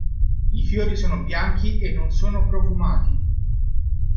I fiori sono bianchi e non sono profumati.